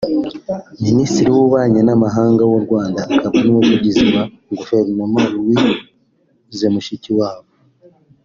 Minisitiri w’ububanyi n’ amahanga w’u Rwanda akaba n’umuvugizi wa guverinoma Louise Mushikiwabo